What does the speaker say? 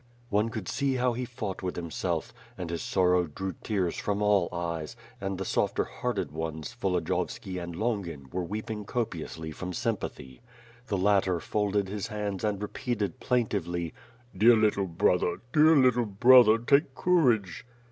One could see how he fought with himself; and his sorrow drew tears from all eyes, and the softer hearted ones, Volodi yovski and Ijongin were weeping copiously from sympathy. The latter folded his hands and repeated plaintively: "Dear little brother, dear little brother, take courage."